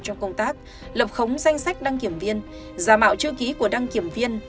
trong công tác lập khống danh sách đăng kiểm viên giả mạo chữ ký của đăng kiểm viên